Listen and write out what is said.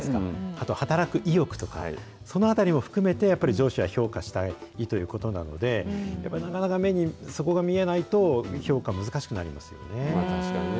あと、働く意欲とか、そのあたりも含めて、やっぱり上司は評価したいということなので、やっぱりなかなか目にそこが見えないと、確かにね。